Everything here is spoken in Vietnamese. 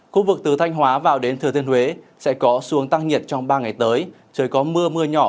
khu vực từ thanh hóa vào đến thừa thiên huế sẽ có xuống tăng nhiệt trong ba ngày tới trời có mưa mưa nhỏ